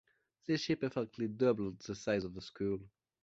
This ship effectively doubled the size of the school.